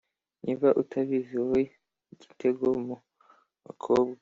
Niba utabizi, wowe gitego mu bakobwa,